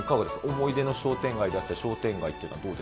思い出の商店街であったり、商店街